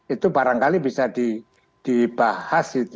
itu barangkali bisa dibahas